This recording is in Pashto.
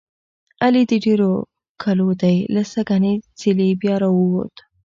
علي د ډېرو کلو دی. له سږنۍ څېلې بیا را ووت.